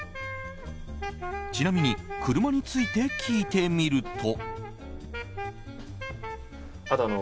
ちなみに車について聞いてみると。